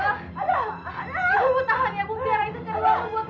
ibu tahan ya ibu biar itu cerita ibu buat ibu